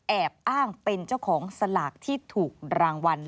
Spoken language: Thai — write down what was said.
แอบอ้างเป็นเจ้าของสลากที่ถูกรางวัล